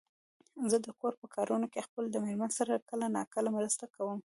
زه د کور په کارونو کې خپل د مېرمن سره کله ناکله مرسته کوم.